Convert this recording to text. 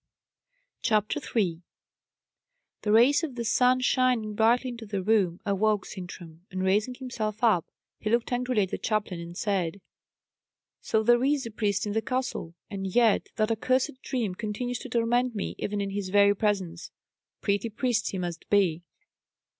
CHAPTER 3 The rays of the sun shining brightly into the room awoke Sintram, and raising himself up, he looked angrily at the chaplain, and said, "So there is a priest in the castle! And yet that accursed dream continues to torment me even in his very presence. Pretty priest he must be!"